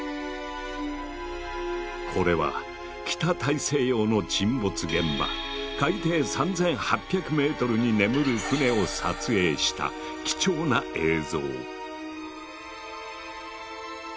これは北大西洋の沈没現場海底３，８００メートルに眠る船を撮影した貴重な映像。